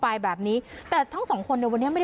ปอล์กับโรเบิร์ตหน่อยไหมครับ